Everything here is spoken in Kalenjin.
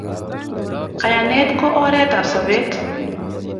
Kayanet ko oret ab sobet